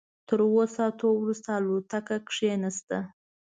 تر اوو ساعتونو وروسته الوتکه کېناسته.